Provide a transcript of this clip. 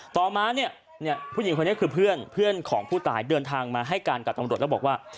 ต่อมาเนี่ยผู้หญิงคนนี้คือเพื่อนของผู้ตายเดินทางมาให้การกับตำรวจแล้วบอกว่า